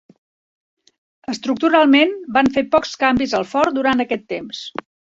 Estructuralment van fer pocs canvis al fort durant aquest temps.